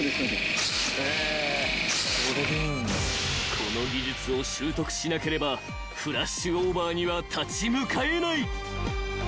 ［この技術を習得しなければフラッシュオーバーには立ち向かえない］